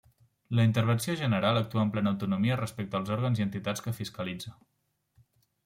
La Intervenció General actua amb plena autonomia respecte als òrgans i entitats que fiscalitza.